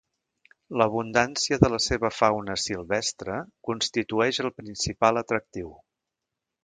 L'abundància de la seva fauna silvestre constitueix el principal atractiu.